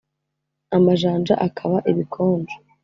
amajanja akaba ibikonjo.